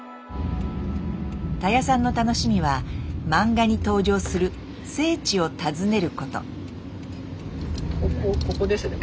たやさんの楽しみは漫画に登場する「聖地」を訪ねること。